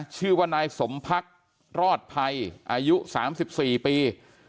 ชื่อว่านายสมพักรอดภัยอายุ๓๔ปี